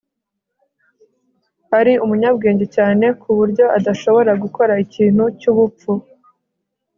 Ari umunyabwenge cyane kuburyo adashobora gukora ikintu cyubupfu